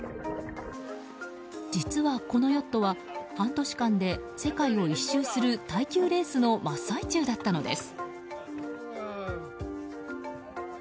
実は、このヨットは半年間で世界を一周する耐久レースの真っ最中だったのです。